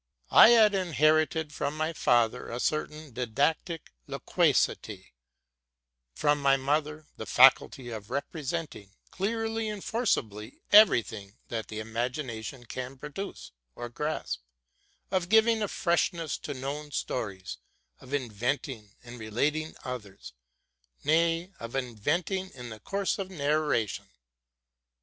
L had inherited from my father a certain didactic loquacity ; from my mother the faculty of representing, clearly and forcibly, every thing that the imagination can produce or grasp, of giving a fresh ness to known stories, of inventing and relating others, — nay, of inventing in the course of narration.